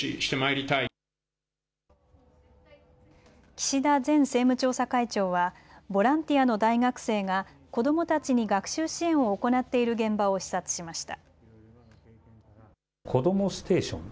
岸田前政務調査会長はボランティアの大学生が子どもたちに学習支援を行っている現場を視察しました。